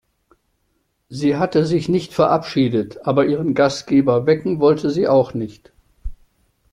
Sie hatte sich nicht verabschiedet, aber ihren Gastgeber wecken wollte sie auch nicht.